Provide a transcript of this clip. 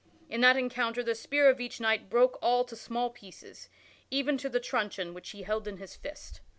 In that encounter the spear of each knight broke all to small pieces, even to the truncheon which he held in his fist.